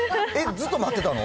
ずっと待ってたの？